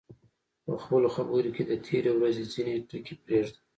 په خپلو خبرو کې د تېرې ورځې ځینې ټکي پرېږده.